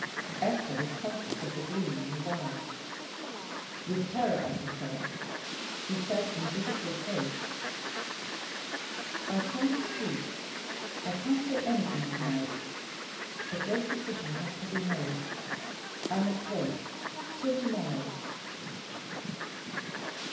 Esther was conscious of the gleam in his eyes. With terror at herself, she said, in difficult haste, "I can't speak. I can't say anything to night. A great decision has to be made: I must wait till to morrow."